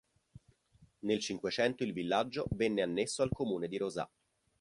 Nel Cinquecento il villaggio venne annesso al comune di Rosà.